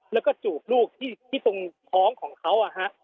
แล้วก็จูบลูกที่ตรงท้องของเขา